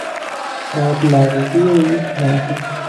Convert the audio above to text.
آب لغزی یک ماهی